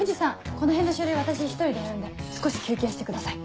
このへんの書類私一人でやるんで少し休憩してください。